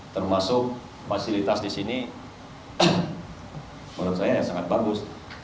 termasuk fasilitas di sini menurut saya sangat bagus